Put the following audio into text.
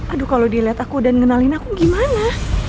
aduh kalau dia liat aku dan ngenalin aku gimana